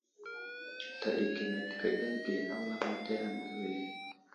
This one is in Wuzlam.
Sla ɗi keme təkeɗerge a wulamataya ane wele.